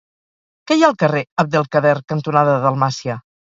Què hi ha al carrer Abd el-Kader cantonada Dalmàcia?